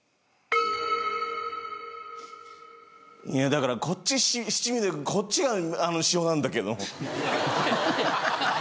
だからこっち七味でこっちが塩なんだけど。